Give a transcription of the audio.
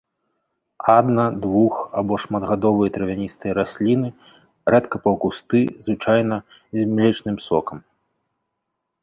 Адна-, двух- або шматгадовыя травяністыя расліны, рэдка паўкусты, звычайна з млечным сокам.